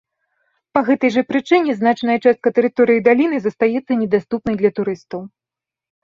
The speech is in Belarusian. Па гэтай жа прычыне значная частка тэрыторыі даліны застаецца недаступнай для турыстаў.